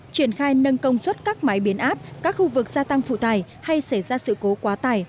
triển khai nâng công suất các máy biến áp các khu vực gia tăng phụ tải hay xảy ra sự cố quá tài